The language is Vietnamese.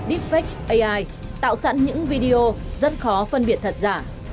deepfake ai tạo sẵn những video rất khó phân biệt thật giả